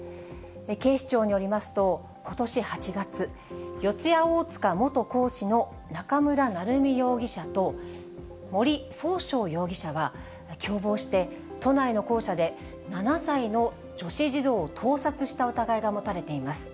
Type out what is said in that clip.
警視庁によりますと、ことし８月、四谷大塚元講師の中村成美容疑者と森崇翔容疑者は、共謀して都内の校舎で７歳の女子児童を盗撮した疑いが持たれています。